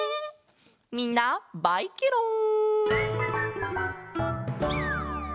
みんなバイケロン！